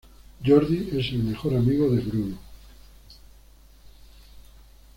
Jordi es el mejor amigo de Bruno.